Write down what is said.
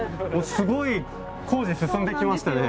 すごい工事進んできましたね。